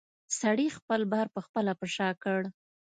سړي خپل بار پخپله په شا کړ.